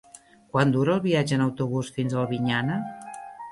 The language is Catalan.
Quant dura el viatge en autobús fins a Albinyana?